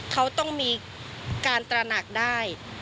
เขาต้องมีการตระหนักได้